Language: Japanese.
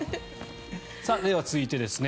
では、続いてですね。